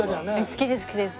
好きです好きです。